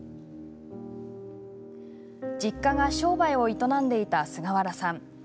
実家が商売を営んでいた菅原さん